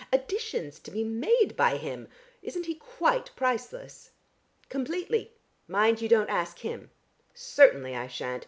Additions to be made by him! Isn't he quite priceless?" "Completely. Mind you don't ask him." "Certainly I shan't.